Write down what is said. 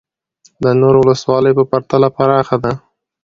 د نورو ولسوالیو په پرتله پراخه ده